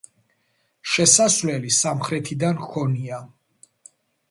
შესასვლელი სამხრეთიდან ჰქონია.